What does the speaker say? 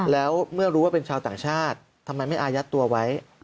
แล้วเมื่อรู้ว่าเป็นชาวต่างชาติทำไมไม่อายัดตัวไว้